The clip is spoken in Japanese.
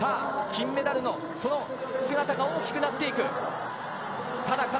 金メダルのその姿が大きくなっていく。